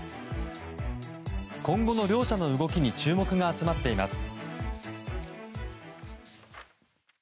今後の両者の動きに注目が集まっています。